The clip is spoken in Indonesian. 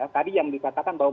tadi yang dikatakan bahwa